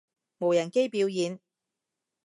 無人機表演